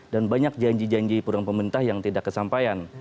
dan banyak janji janji perundang pemerintah yang tidak kesampaian